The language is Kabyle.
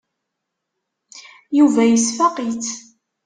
Yuba yesfaq-itt.